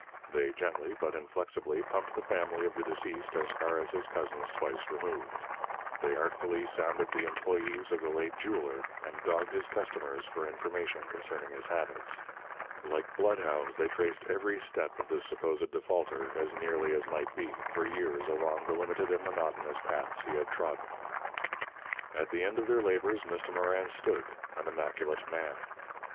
They gently, but inflexibly, pumped the family of the deceased as far as his cousins twice removed. They artfully sounded the employees of the late jeweller, and dogged his customers for information concerning his habits. Like bloodhounds they traced every step of the supposed defaulter, as nearly as might be, for years along the limited and monotonous paths he had trodden. At the end of their labours, Mr. Morin stood, an immaculate man.